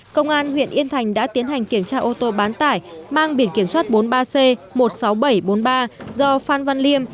công an huyện yên thành đã tiến hành kiểm tra ô tô bán tải mang biển kiểm soát bốn mươi ba c một mươi sáu nghìn bảy trăm bốn mươi ba do phan văn liêm